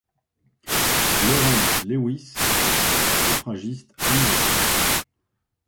Lawrence Lewis est une suffragiste américaine.